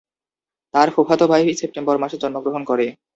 তার ফুফাতো ভাই সেপ্টেম্বর মাসে জন্মগ্রহণ করে।